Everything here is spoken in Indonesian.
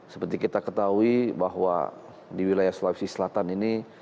seperti kita ketahui bahwa di wilayah sulawesi selatan ini